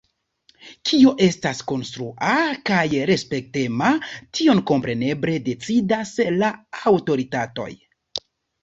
Kio estas “konstrua” kaj “respektema”, tion kompreneble decidas la aŭtoritatoj.